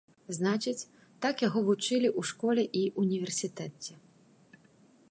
Значыць, так яго вучылі ў школе і ўніверсітэце.